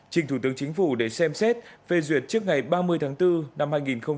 trình thủ tướng chính phủ để xem xét phê duyệt trước ngày ba mươi tháng bốn năm hai nghìn hai mươi